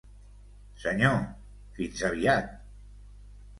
Senyor, fins aviat.